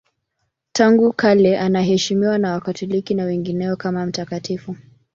Tangu kale anaheshimiwa na Wakatoliki na wengineo kama mtakatifu.